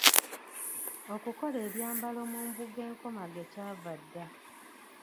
Okukola ebyambalo mu mbugo enkomage kyava dda.